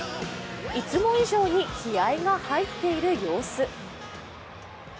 いつも以上に気合いが入っている様子。